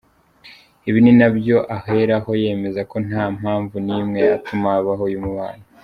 Ibi ninabyo aheraho yemeza ko ntampamvu n’imwe yatuma habaho uyu mubano.